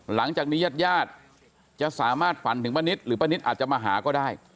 หลังจากนี้ญาติญาติจะสามารถฝันถึงป้านิตหรือป้านิตอาจจะมาหาก็ได้